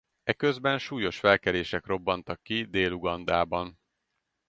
Eközben súlyos felkelések robbantak ki Dél-Ugandában.